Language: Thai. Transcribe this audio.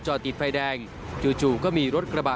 ติดไฟแดงจู่ก็มีรถกระบะ